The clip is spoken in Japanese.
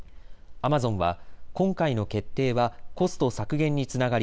アマゾンは今回の決定はコスト削減につながり